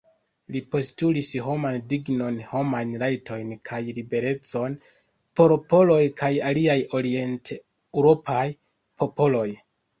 Li postulis homan dignon, homajn rajtojn kaj liberecon por poloj kaj aliaj orienteŭropaj popoloj.